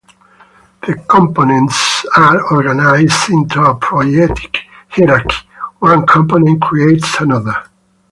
The components are organized into a poietic hierarchy: one component creates another.